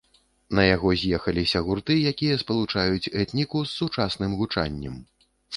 На яго з'ехаліся гурты, якія спалучаюць этніку з сучасным гучаннем.